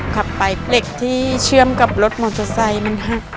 ขับไปเหล็กที่เชื่อมกับรถมอเตอร์ไซค์มันหัก